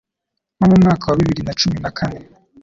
Nko mu mwaka wa bibiri na cumi na kane